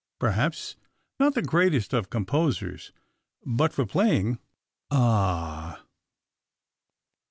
Perhaps not the greatest of composers. But for playing ah!"